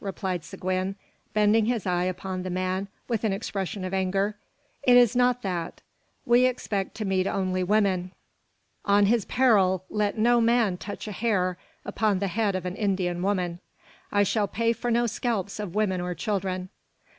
replied Seguin, bending his eye upon the man, with an expression of anger. "It is not that. We expect to meet only women. On his peril let no man touch a hair upon the head of an Indian woman. I shall pay for no scalps of women or children."